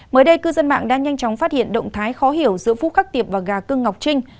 mới đây cư dân mạng đã nhanh chóng phát hiện động thái khó hiểu giữa phúc khắc tiệp và gà cưng ngọc trinh